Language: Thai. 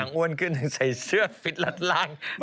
อ้วนขึ้นใส่เสื้อฟิตรัดล่าง